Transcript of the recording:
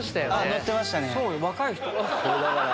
乗ってましたね。